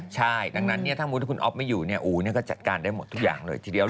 ใช่ดังนั้นถ้าคุณอ๊อฟไม่อยู่อูธก็จัดการได้หมดทุกอย่างเลยทีเดียว